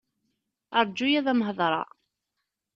Ṛğu-yi ad am-hedṛeɣ.